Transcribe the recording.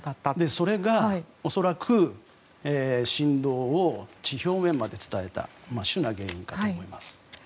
それが恐らく振動を地表面まで伝えた主な原因かと思います。